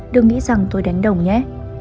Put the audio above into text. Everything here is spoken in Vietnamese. đừng nghĩ rằng tôi đánh đồng nhé